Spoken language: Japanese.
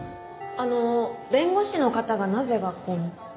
あの弁護士の方がなぜ学校に？